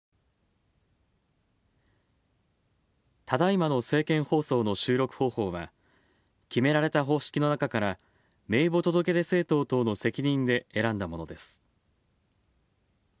ただいまの政見放送の収録方法は、決められた方式の中から名簿届出政党等の責任で選んだものです。